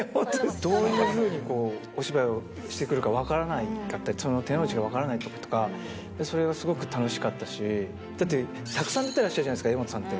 どういうふうにお芝居をしてくるか分からなかったり、手の内が分からなかったり、それがすごく楽しかったし、だって、たくさん出てらっしゃるじゃないですか、柄本さんって。